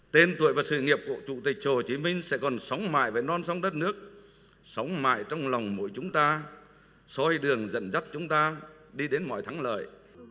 tên tuổi và sự nghiệp của chủ tịch hồ chí minh sẽ còn sống mãi với non sông đất nước sống mãi trong lòng mỗi chúng ta xoay đường dẫn dắt chúng ta đi đến mọi thắng lợi